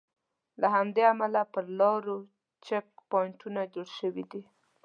له همدې امله پر لارو چیک پواینټونه جوړ شوي دي.